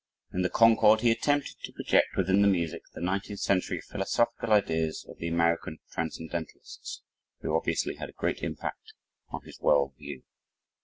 In the "Concord," he attempted to project, within the music, the 19th century philosophical ideas of the American Transcendentalists, who obviously had a great impact on his world view.